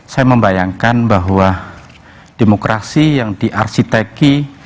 saya membayangkan bahwa demokrasi yang diarsiteki